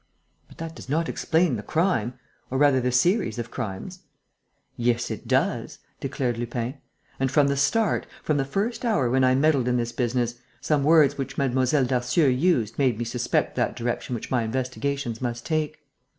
"But that does not explain the crime, or rather the series of crimes." "Yes, it does," declared Lupin. "And, from the start, from the first hour when I meddled in this business, some words which Mlle. Darcieux used made me suspect that direction which my investigations must take.